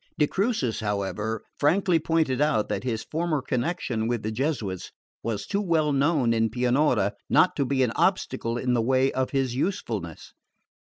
De Crucis, however, frankly pointed out that his former connection with the Jesuits was too well known in Pianura not to be an obstacle in the way of his usefulness.